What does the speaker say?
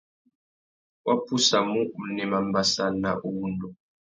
Wá pussamú, unema mbassa na uwundu.